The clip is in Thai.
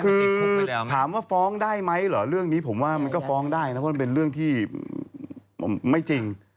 คือถามว่าฟ้องได้ไหมเหรอเรื่องนี้ผมว่ามันก็ฟ้องได้นะเพราะมันเป็นเรื่องที่ไม่จริง